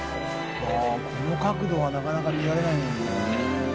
ああこの角度はなかなか見られないよね。